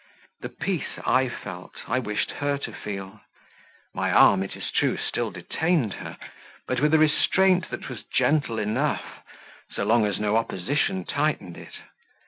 The peace I felt, I wished her to feel; my arm, it is true, still detained her; but with a restraint that was gentle enough, so long as no opposition tightened it.